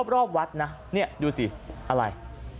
รอบวัดนะนี่ดูสิอะไร